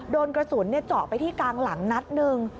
โดนกระสุนเจาะไปที่กลางหลังนัดหนึ่ง